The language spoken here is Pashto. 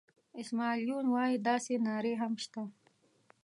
اسماعیل یون وایي داسې نارې هم شته.